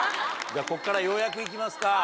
ここからようやく行きますか。